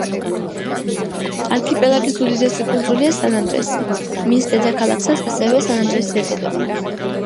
არქიპელაგის უდიდესი კუნძულია სან-ანდრესი, მის დედაქალაქსაც ასევე სან-ანდრესი ეწოდება.